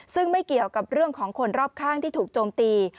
ซึ่งไม่เกี่ยวกับเรื่องของคนรอบข้างที่ถูกโจมตี